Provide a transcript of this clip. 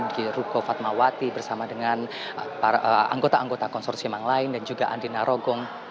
di ruko fatmawati bersama dengan anggota anggota konsorsium yang lain dan juga andina rogong